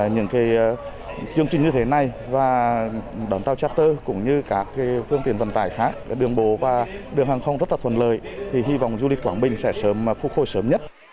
những chương trình như thế này và đón tàu chạp tơ cũng như các phương tiện vận tải khác đường bộ và đường hàng không rất thuận lợi hy vọng du lịch quảng bình sẽ phục hồi sớm nhất